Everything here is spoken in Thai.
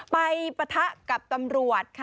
ไปปะทะกับตำรวจ